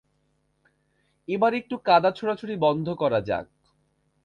এবার একটু কাদা ছোড়াছুঁড়ি বন্ধ করা যাক।